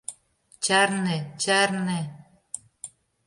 Чарне, чарне!